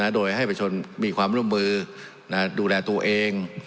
โดยให้ประชนมีความร่วมมือดูแลตัวเอง